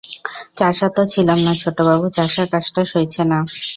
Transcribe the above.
চাষা তো ছিলাম না ছোটবাবু, চাষার কাজটা সইছে না।